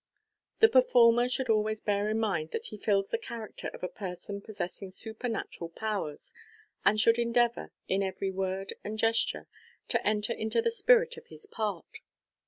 The performer should always bear in mind that he fills the character of a person possessing supernatural powers, and should endeavour, in every word and gesture, to enter into the spirit of his part.